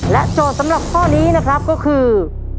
โจทย์สำหรับข้อนี้นะครับก็คือ